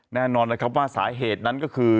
แน่นอนนะครับว่าสาเหตุนั้นก็คือ